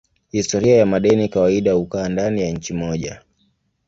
Historia ya madeni kawaida hukaa ndani ya nchi moja.